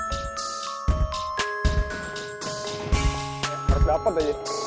eh harus dapet aja